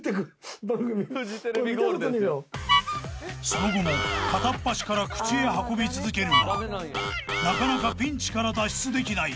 ［その後も片っ端から口へ運び続けるがなかなかピンチから脱出できない］